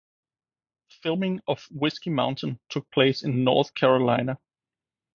Filming of "Whiskey Mountain" took place in North Carolina.